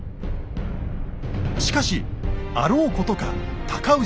しかしあろうことか高氏が謀反。